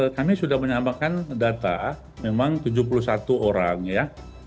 kami sudah menyampaikan data memang tujuh puluh satu orang ya